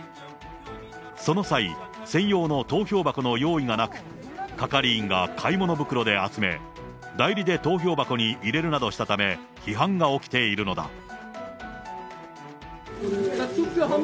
その際、専用の投票箱の用意がなく、係員が買い物袋で集め、代理で投票箱に入れるなどしたため、批判が起きているのだ。